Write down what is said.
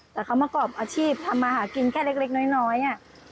แต่เขามากรอบอาชีพทำมาหากินแค่เล็กเล็กน้อยน้อยน่ะ